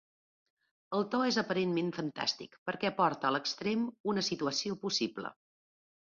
El to és aparentment fantàstic perquè porta a l'extrem una situació possible.